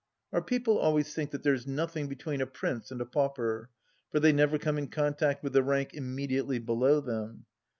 Our people always think that there's nothing between a Prince and a pauper, for they never come in contact with the rank immediately below them.